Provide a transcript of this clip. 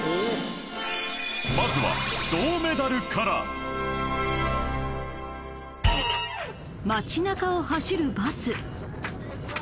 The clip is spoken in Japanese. まずは銅メダルから街なかを走るバス